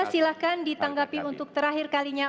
silahkan ditanggapi untuk terakhir kalinya